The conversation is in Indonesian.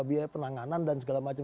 biaya penanganan dan segala macam